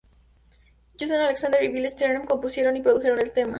Josh Alexander y Billy Steinberg compusieron y produjeron el tema.